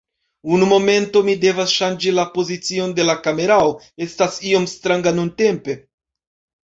Unu momento, mi devas ŝanĝi la pozicion de la kamerao, estas iom stranga nuntempe.